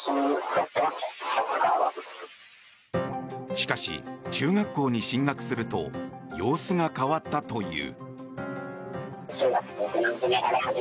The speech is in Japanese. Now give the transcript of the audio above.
しかし、中学校に進学すると様子が変わったという。